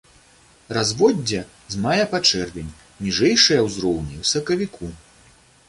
Разводдзе з мая па чэрвень, ніжэйшыя ўзроўні ў сакавіку.